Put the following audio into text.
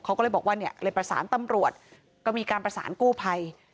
เขาก็เลยบอกว่าเนี่ยเลยประสานตำรวจก็มีการประสานกู้ภัย